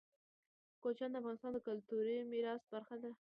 کوچیان د افغانستان د کلتوري میراث برخه ده.